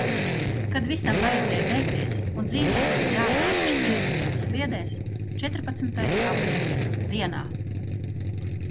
Kad visam vajadzēja beigties un dzīvei bija jāatgriežas ierastajās sliedēs – četrpadsmitais aprīlis. Dienā.